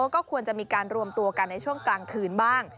ก็ควรจะมีการรวมตัวกันในช่วงกลางคืนบ้าง